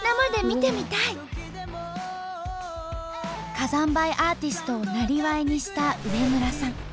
火山灰アーティストを生業にした植村さん。